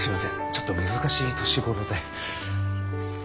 ちょっと難しい年頃で。